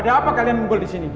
ada apa kalian mimpul disini